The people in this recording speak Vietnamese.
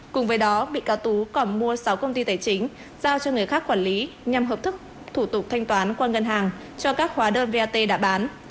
cùng với đó bị cáo tú còn mua sáu công ty tài chính giao cho người khác quản lý nhằm hợp thức thủ tục thanh toán qua ngân hàng cho các hóa đơn vat đã bán